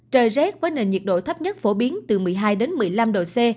trời rét với nền nhiệt độ thấp nhất phổ biến từ một mươi hai một mươi năm độ c